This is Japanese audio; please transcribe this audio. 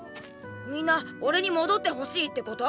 みんな俺に戻ってほしいってこと？